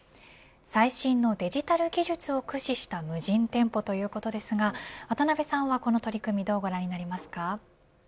最新のデジタル技術を駆使した無人店舗ということですが渡辺さんは、この取り組みどうご覧になりますか。